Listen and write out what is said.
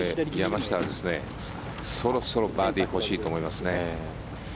山下はそろそろバーディーが欲しいと思いますね。